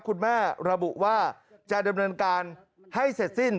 คุณแม่ระบุว่าจะดำเนินการให้เสร็จสิ้น